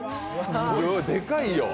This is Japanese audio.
でかいよ。